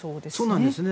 そうなんです。